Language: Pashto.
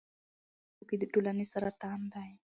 نشه يي توکي د ټولنې سرطان دی.